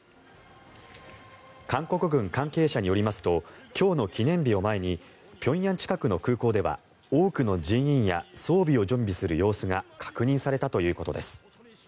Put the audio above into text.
韓国軍関係者によりますと今日の記念日を前に平壌近くの空港では多くの人員や装備を準備する様子が確認されたということです。